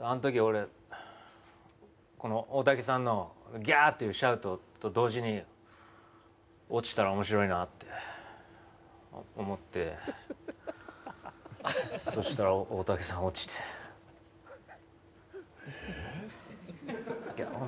あん時俺この大竹さんのギャーっていうシャウトと同時に落ちたら面白いなって思ってそしたら大竹さん落ちてえっ？